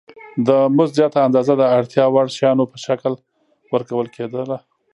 د مزد زیاته اندازه د اړتیا وړ شیانو په شکل ورکول کېده